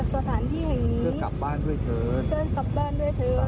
เพื่อกลับบ้านด้วยเถิด